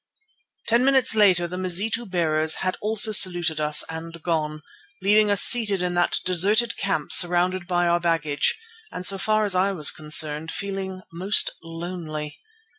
Ten minutes later the Mazitu bearers had also saluted us and gone, leaving us seated in that deserted camp surrounded by our baggage, and so far as I was concerned, feeling most lonely.